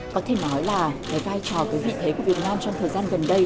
có thể nói là cái vai trò cái vị thế của việt nam trong thời gian gần đây